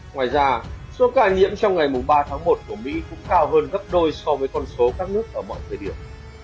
ngoài ra số ca nhiễm trong ngày ba tháng một của mỹ cũng cao hơn gấp đôi so với con số các nước ở mọi thời điểm